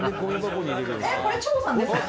「これ、長さんですかね」